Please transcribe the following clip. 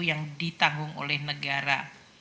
yang ditanggung oleh negara